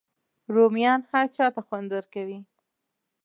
رومیان هر چاته خوند کوي